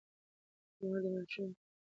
مور د ماشومانو لپاره د خوښې خوراک چمتو کوي